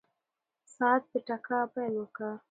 ساعت په ټکا پیل وکړ.